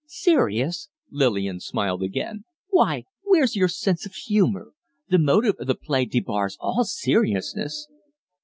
"Serious!" Lillian smiled again. "Why, where's your sense of humor? The motive of the play debars all seriousness."